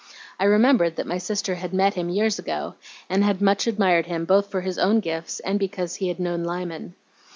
I remembered that my sister had met him years ago, and much admired him both for his own gifts and because he had known Lyman.